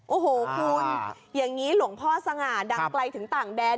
โอ้โหคุณอย่างนี้หลวงพ่อสง่าดังไกลถึงต่างแดน